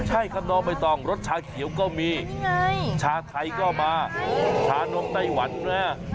ใช่ครับน้องใบตองรสชาเขียวก็มีชาไทยก็มาชานกไต้หวันแม่